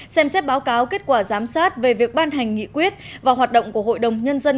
xem xét báo cáo kết quả giám sát về việc ban hành nghị quyết và hoạt động của hội đồng nhân dân